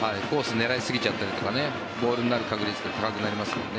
狙いすぎちゃったりとかボールになる確率が高くなりますからね。